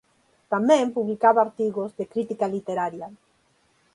Tamén publicaba artigos de crítica literaria.